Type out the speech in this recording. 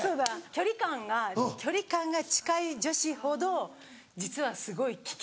距離感が距離感が近い女子ほど実はすごい危険。